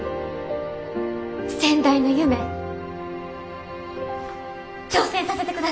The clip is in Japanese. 先代の夢挑戦させてください！